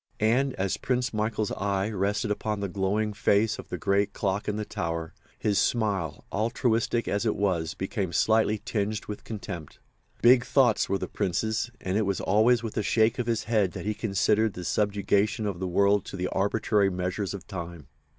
And as Prince Michael's eye rested upon the glowing face of the great clock in the tower, his smile, altruistic as it was, became slightly tinged with contempt. Big thoughts were the Prince's; and it was always with a shake of his head that he considered the subjugation of the world to the arbitrary measures of Time.